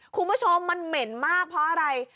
คุณผู้ชมมันเหม็นมากเพราะอะไร